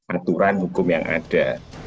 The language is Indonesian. aturan hukum yang ada